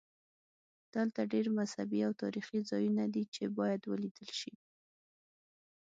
دلته ډېر مذهبي او تاریخي ځایونه دي چې باید ولیدل شي.